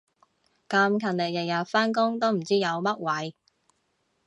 咁勤力日日返工都唔知有乜謂